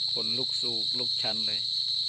คนลูกสูกลูกชันเลย